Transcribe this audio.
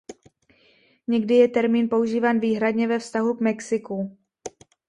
Někdy je termín používán výhradně ve vztahu k Mexiku.